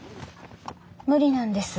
無理なんです。